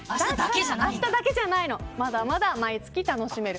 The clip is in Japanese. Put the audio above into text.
あしただけじゃないのまだまだ毎月楽しめる。